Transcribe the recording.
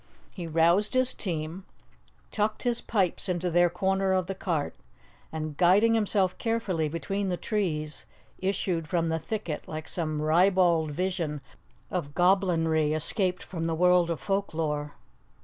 He roused his team, tucked his pipes into their corner of the cart, and, guiding himself carefully between the trees, issued from the thicket like some ribald vision of goblinry escaped from the world of folk lore.